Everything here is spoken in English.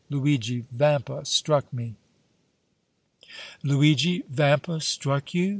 Luigi Vampa struck me!" "Luigi Vampa struck you?"